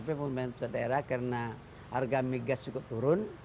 perimbang pusat daerah karena harga migas cukup turun